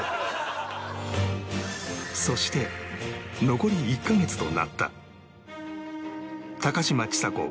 そして残り１カ月となった高嶋ちさ子